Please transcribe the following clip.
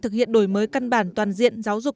thực hiện đổi mới căn bản toàn diện giáo dục